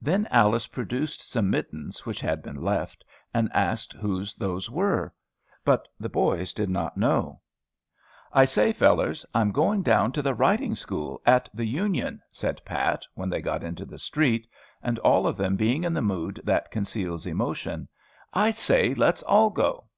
Then Alice produced some mittens, which had been left, and asked whose those were. But the boys did not know. "I say, fellars, I'm going down to the writing school, at the Union," said Pat, when they got into the street, all of them being in the mood that conceals emotion. "I say, let's all go."